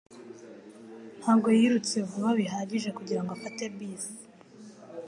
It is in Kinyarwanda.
Ntabwo yirutse vuba bihagije kugirango afate bisi